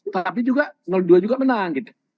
tapi juga dua juga menang gitu